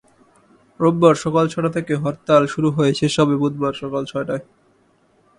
রোববার সকাল ছয়টা থেকে হরতাল শুরু হয়ে শেষ হবে বুধবার সকাল ছয়টায়।